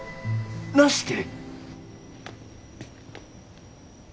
なして。